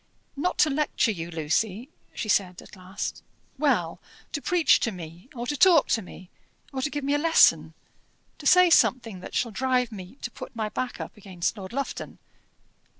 "Not to lecture you, Lucy," she said at last. "Well, to preach to me, or to talk to me, or to give me a lesson; to say something that shall drive me to put my back up against Lord Lufton?"